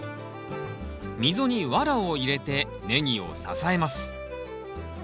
溝にワラを入れてネギを支えます